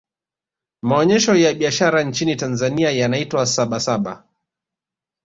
maonyesho ya biashara nchini tanzania yanaitwa sabasaba